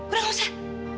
udah nggak usah